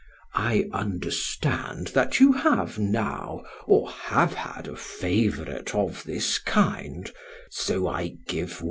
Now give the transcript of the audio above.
"I understand that you have now, or have had, a favourite of this kind; so I give way."